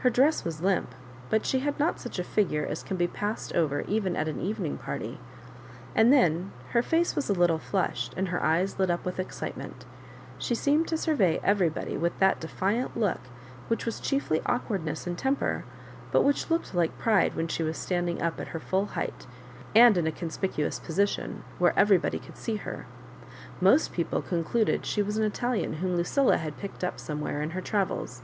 Her dress was limp, but she was not such a figure as can be passed over even at an evening party; and then her face was a little flushed, and her eyes lit up with excitement She seemed to survey everybody with that defiant look which was chiefly awk wardness and temper, but which looked like pride when she was standing up at her fuU height, and in a conspicuous position, where everybody could see her. Most people concluded she was 3 an Italian whom LuciUa had picked up some where in her travels.